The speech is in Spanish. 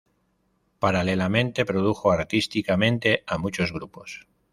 Paralelamente produjo artísticamente a muchos grupos.